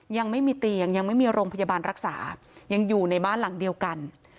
ยังไม่มีเตียงยังไม่มีโรงพยาบาลรักษายังอยู่ในบ้านหลังเดียวกัน